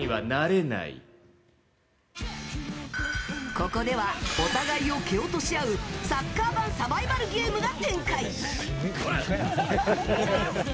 ここではお互いを蹴落とし合うサッカー版サバイバルゲームが展開。